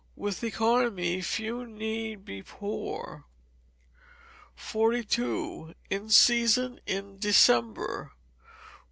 [WITH ECONOMY, FEW NEED BE POOR.] 42. In Season in December.